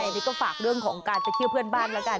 อันนี้ก็ฝากเรื่องของการไปเที่ยวเพื่อนบ้านแล้วกัน